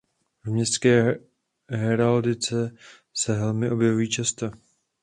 V městské heraldice se helmy objevují často.